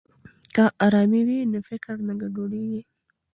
که ارامي وي نو فکر نه ګډوډیږي.